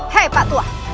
hei pak tua